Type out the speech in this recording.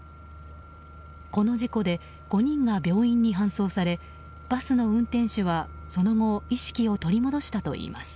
この事故で５人が病院に搬送されバスの運転手はその後意識を取り戻したといいます。